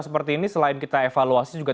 seperti ini selain kita evaluasi juga